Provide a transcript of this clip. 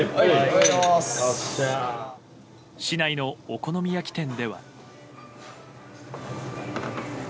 市内のお好み焼き店では。